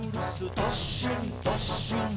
どっしんどっしん」